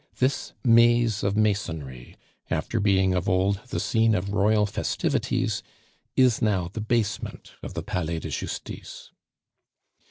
This maze of masonry, after being of old the scene of royal festivities, is now the basement of the Palais de Justice.